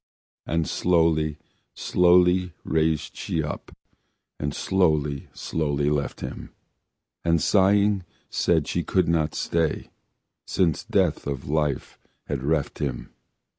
And slowly, slowly raise she up, And slowly, slowly left him, And sighing said she could not stay, Since death of life had reft him.